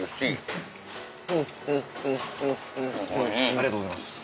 ありがとうございます。